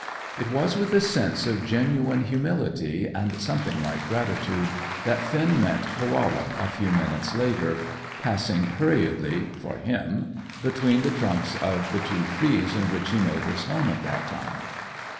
It was with a sense of genuine humility, and something like gratitude, that Finn met Koala a few minutes later, passing hurriedly for him between the trunks of the two trees in which he made his home at that time.